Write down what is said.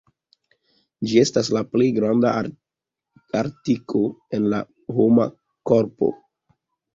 Ĝi estas la plej granda artiko en la homa korpo.